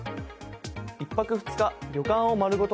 １泊２日旅館を丸ごと